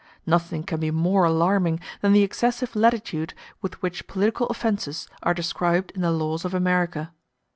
Nothing can be more alarming than the excessive latitude with which political offences are described in the laws of America.